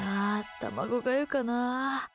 卵がゆかな？